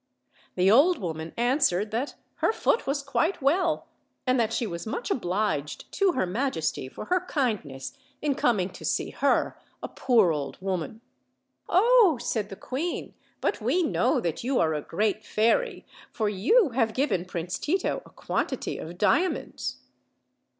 The old woman answered "that her foot was quite well, and that she was much obliged to her majesty for her kindness in coming to see her a poor old woman. OLD, OLD FAIRY TALES. 99 " Oh!" said the queen, "but we know that you are a great fairy, for you have given Prince Tito a quantity of diamonds."